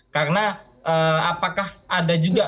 karena apakah ada juga